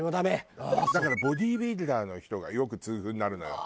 だからボディービルダーの人がよく痛風になるのよ。